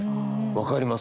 分かります